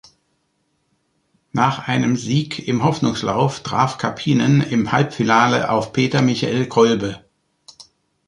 Nach einem Sieg im Hoffnungslauf traf Karppinen im Halbfinale auf Peter-Michael Kolbe.